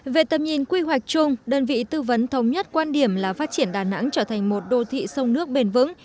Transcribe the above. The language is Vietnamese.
về tầm nhìn quy hoạch chung đơn vị tư vấn thống nhất quan điểm là phát triển đà nẵng trở thành một đô thị sông nước bền vững